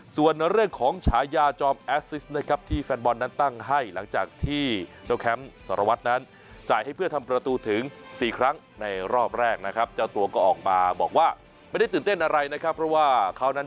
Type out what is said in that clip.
ส่วนเรื่องของฉายาจอมแอซซิสนะครับที่แฟนบอลนั้นตั้งให้หลังจากที่เจ้าแคมป์สารวัฒน์นั้น